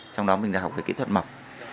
trong đó mình đã học về kỹ thuật mộc